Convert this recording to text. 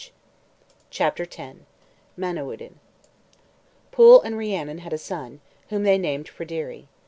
] CHAPTER X MANAWYDDAN Pwyll and Rhiannon had a son, whom they named Pryderi.